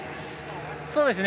そうですね。